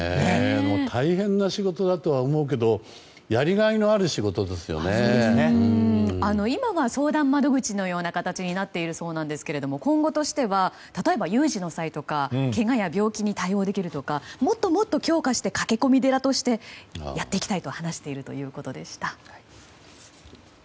大変な仕事だとは思うけど今は相談窓口のような形になっていますが今後としては例えば有事の際とかけがや病気に対応できるとかもっと強化して駆け込み寺としてやっていきたいと話しているということでした。